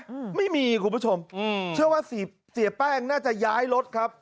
อืมไม่มีคุณผู้ชมอืมเชื่อว่าเสียเสียแป้งน่าจะย้ายรถครับ